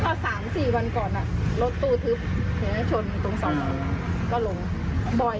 แล้วหัวรถเขามันไปทิ้งตรงท่อแล้วรถเขามันกระเด็นขึ้นแล้วความรักตัวเขาอ่ะออกมาข้างนอก